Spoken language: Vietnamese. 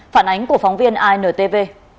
phản ánh của phóng viên intv